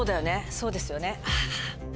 そうですよね。